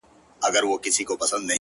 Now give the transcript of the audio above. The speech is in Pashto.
د خپل وجود پرهرولو کي اتل زه یم _